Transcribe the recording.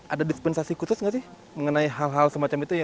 ada dispensasi khusus nggak sih mengenai hal hal semacam itu ya